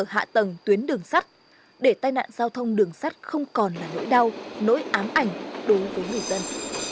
hạ tầng tuyến đường sắt để tai nạn giao thông đường sắt không còn là nỗi đau nỗi ám ảnh đối với người dân